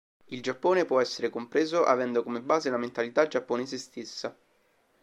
Il Giappone può essere compreso avendo come base la mentalità giapponese stessa.